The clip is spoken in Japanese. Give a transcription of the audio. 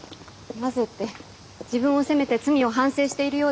なぜって自分を責めて罪を反省しているようでしたし。